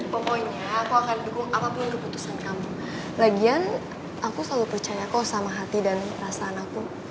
pokoknya aku akan dukung apapun keputusan kamu lagian aku selalu percaya kok sama hati dan perasaan aku